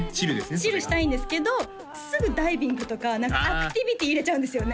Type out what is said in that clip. それがチルしたいんですけどすぐダイビングとか何かアクティビティ入れちゃうんですよね